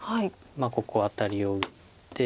ここアタリを打って。